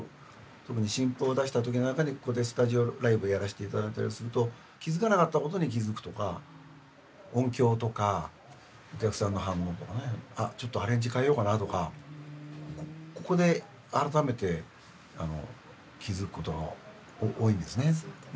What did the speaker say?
特に新譜を出した時なんかにここでスタジオライブやらせて頂いたりすると気付かなかったことに気付くとか音響とかお客さんの反応とかねあっちょっとアレンジ変えようかなとかここで改めて気付くことが多いんですね。